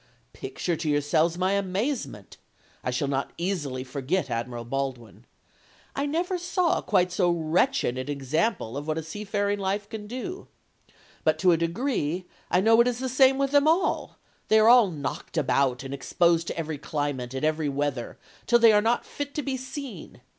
Picture to yourselves my amazement: I shall not easily forget Admiral Baldwin. I never saw quite so wretched an example of what a sea faring life can do; but to a degree, I know it is the same with them all: they are all knocked about, and exposed to every climate, and every weather, till they are not fit to be seen.